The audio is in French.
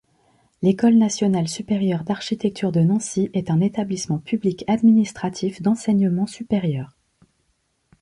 L’École nationale supérieure d'architecture de Nancy, est un établissement public administratif d'enseignement supérieur.